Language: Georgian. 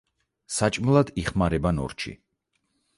საჭმელად იხმარება ნორჩი.